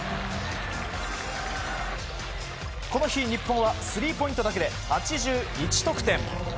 この日、日本はスリーポイントだけで８１得点。